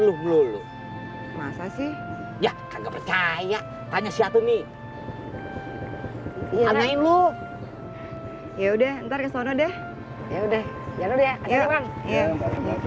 dulu masa sih ya kagak percaya tanya siapa nih ya main lu ya udah ntar kesana deh ya udah ya